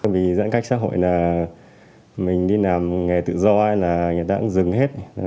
vì giãn cách xã hội là mình đi làm nghề tự do là người ta cũng dừng hết